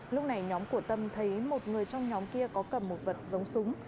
lúc này nhóm của tâm thấy một người trong nhóm kia có cầm một vật giống súng